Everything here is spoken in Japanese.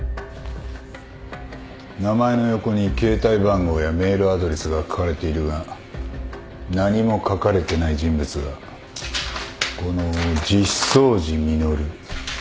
名前の横に携帯番号やメールアドレスが書かれているが何も書かれてない人物がこの実相寺実。